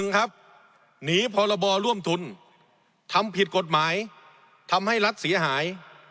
หนีพรบร่วมทุนทำผิดกฎหมายทำให้รัฐเสียหาย